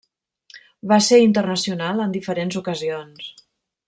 Va ser internacional en diferents ocasions.